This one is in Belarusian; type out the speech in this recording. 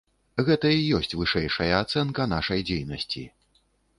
Гэта і ёсць вышэйшая ацэнка нашай дзейнасці.